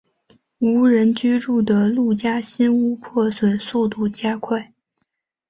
无人居住的陆家新屋破损速度加快。